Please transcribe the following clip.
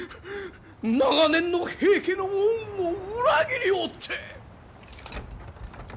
長年の平家の恩を裏切りおって！